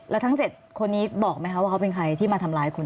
แล้วทั้ง๗คนนี้บอกไหมคะว่าเขาเป็นใครที่มาทำร้ายคุณ